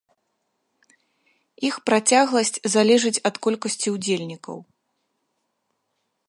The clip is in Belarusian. Іх працягласць залежыць ад колькасці удзельнікаў.